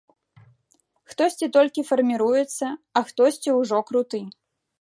Хтосьці толькі фарміруецца, а хтосьці ўжо круты.